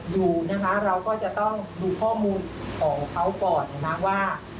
ตรงนี้ว่าเค้าจะกักตุลหรือเปล่า